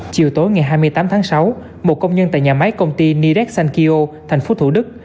chiều tối ngày hai mươi tám tháng sáu một công nhân tại nhà máy công ty nidessankyo thành phố thủ đức